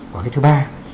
và cái thứ ba